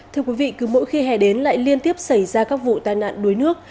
thưa quý vị cứ mỗi khi hè đến lại liên tiếp xảy ra các vụ tai nạn đuối nước